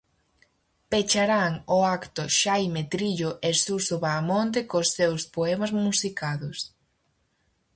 Pecharán o acto Xaime Trillo e Suso Bahamonde cos seus poemas musicados.